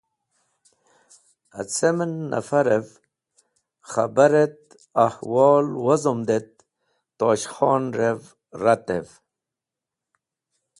Acem en nafarev khabar et ahwol wozomd et Tosh Khoner retev.